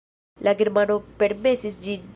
La germano permesis ĝin.